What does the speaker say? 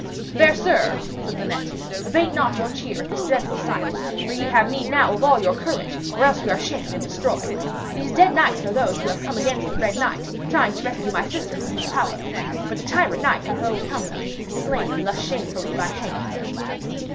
'Fair sir,' said Linet, 'abate not your cheer at this dreadful sight, for ye have need now of all your courage, or else are we all shamed and destroyed. These dead knights are those who have come against the Red Knight trying to rescue my sister from his power. But the tyrant knight hath overcome them, and slain them thus shamefully by hanging.'